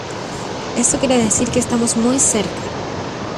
eso quiere decir que estamos muy cerca.